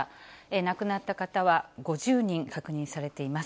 亡くなった方は５０人確認されています。